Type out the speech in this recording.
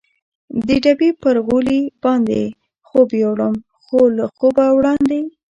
د ډبې پر غولي باندې خوب یووړم، خو له خوبه وړاندې.